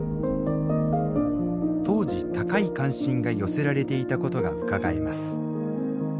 当時高い関心が寄せられていたことがうかがえます。